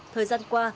thời gian qua